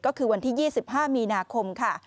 ก็คือวันที่๒๕มีนาคมค่ะ